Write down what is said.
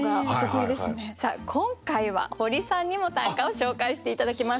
さあ今回はホリさんにも短歌を紹介して頂きます。